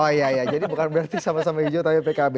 oh iya ya jadi bukan berarti sama sama hijau tapi pkb